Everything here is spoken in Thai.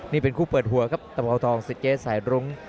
นี่เป็นคู่เปิดหัวครับตะบนเอาทองสิทธิเกษสายรุ้ง